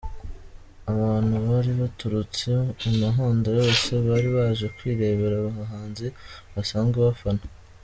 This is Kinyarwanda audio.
Abantu bari baturutse imihanda yose bari baje kwirebera abahanzi basanzwe bafana.